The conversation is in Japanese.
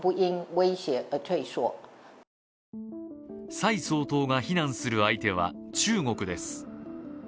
蔡総統が非難する相手は中国です。